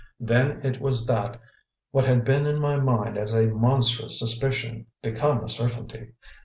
Then it was that what had been in my mind as a monstrous suspicion became a certainty.